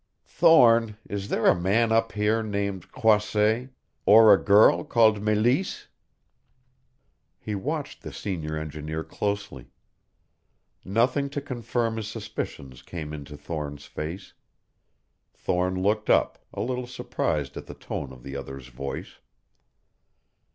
"Thorne, is there a man up here named Croisset or a girl called Meleese?" He watched the senior engineer closely. Nothing to confirm his suspicions came into Thorne's face. Thorne looked up, a little surprised at the tone of the other's voice.